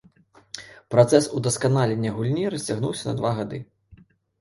Працэс удасканалення гульні расцягнуўся на два гады.